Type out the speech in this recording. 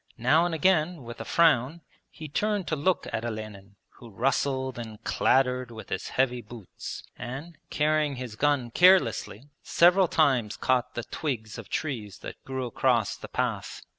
Now and again with a frown he turned to look at Olenin, who rustled and clattered with his heavy boots and, carrying his gun carelessly, several times caught the twigs of trees that grew across the path.